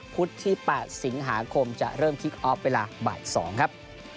พุธที่๘สิงหาคมจะเริ่มคลิกออฟเวลาบ่าย๒ครับ